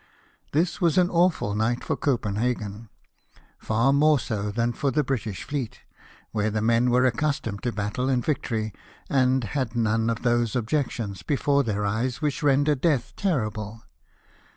This was an awful night for Copenhagen — far more so than for the British fleet, where the men were accustomed to battle and victory, and had none of those objects before their eyes which render death terrible.